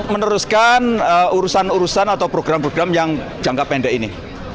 meneruskan urusan urusan atau program program yang jangka pendek ini